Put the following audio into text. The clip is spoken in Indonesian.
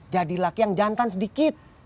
jadi laki yang jantan sedikit